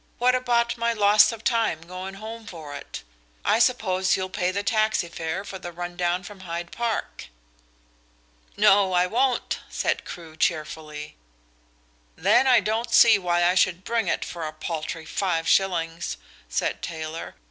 "What about my loss of time going home for it? I suppose you'll pay the taxi fare for the run down from Hyde Park?" "No, I won't," said Crewe cheerfully. "Then I don't see why I should bring it for a paltry five shillings," said Taylor.